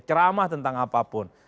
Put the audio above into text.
ceramah tentang apapun